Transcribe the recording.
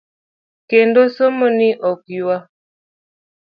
Kendo somo ni ok ywa .